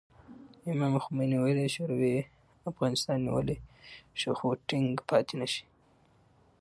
امام خمیني ویلي، شوروي افغانستان نیولی شي خو ټینګ پاتې نه شي.